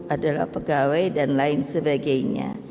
adalah pegawai dan lain sebagainya